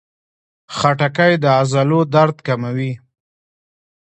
خټکی د عضلو درد کموي.